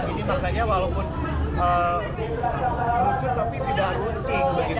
ini seandainya walaupun lucu tapi tidak lucu